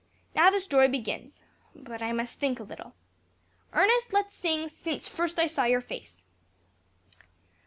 Now the story begins but I must think a little. Ernest, let's sing 'Since first I saw your face.'